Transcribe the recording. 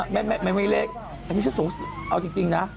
ไม่เล็กอันนี้จะสงสารเอาจริงนะ